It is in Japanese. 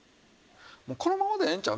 もうこのままでええんちゃう？